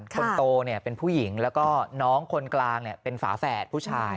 คนโตเป็นผู้หญิงแล้วก็น้องคนกลางเป็นฝาแฝดผู้ชาย